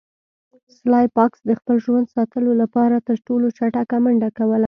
سلای فاکس د خپل ژوند ساتلو لپاره تر ټولو چټکه منډه کوله